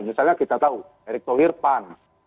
misalnya kita tahu erick thohir pan